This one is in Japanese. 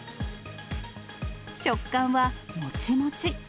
食感はもちもち。